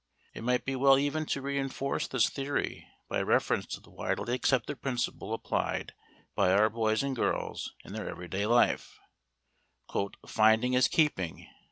It might be well even to reinforce this theory by reference to the widely accepted principle applied by our boys and girls in their everyday life, "finding is keeping."